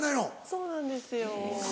そうなんですよ。